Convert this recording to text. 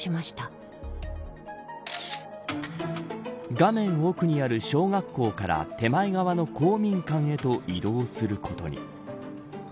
画面奥にある小学校から手前側の公民館へと移動することに。